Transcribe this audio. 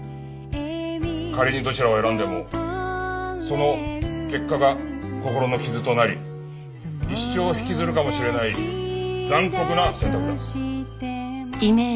仮にどちらを選んでもその結果が心の傷となり一生引きずるかもしれない残酷な選択だ。